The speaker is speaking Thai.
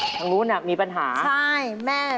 ทางนู้นมีปัญหาใช่แม่